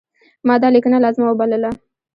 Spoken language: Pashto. ما دا لیکنه لازمه وبلله.